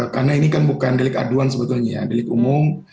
karena ini kan bukan delik aduan sebetulnya ya delik umum